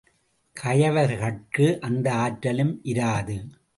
கயவர்கட்கு அந்த ஆற்றலும் இராது.